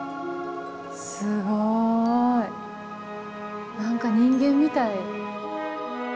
すごい。何か人間みたい。